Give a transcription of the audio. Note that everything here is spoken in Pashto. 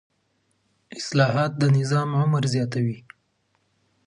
اصلاحات د نظام عمر زیاتوي